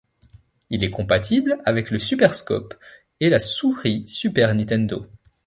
Il est compatible avec le Super Scope et la souris Super Nintendo.